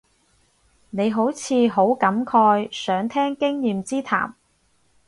你好似好感慨，想聽經驗之談